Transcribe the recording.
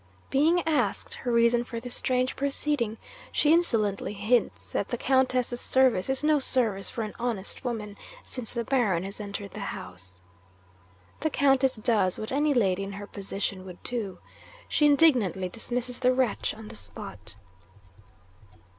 Being asked her reason for this strange proceeding, she insolently hints that the Countess's service is no service for an honest woman, since the Baron has entered the house. The Countess does, what any lady in her position would do; she indignantly dismisses the wretch on the spot.